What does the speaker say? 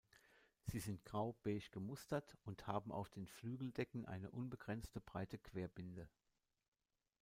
Sie sind grau-beige gemustert und haben auf den Flügeldecken eine unbegrenzte, breite Querbinde.